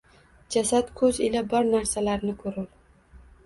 Jasad ko’z ila bor narsalarni ko’rur